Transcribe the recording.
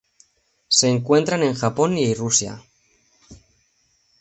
Se encuentran en Japón y Rusia.